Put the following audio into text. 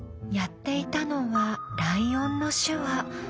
やっていたのはライオンの手話。